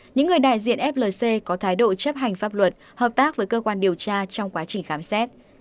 những người đại diện flc có thái độ chấp hành pháp luật hợp tác với cơ quan điều tra trong quá trình khám xét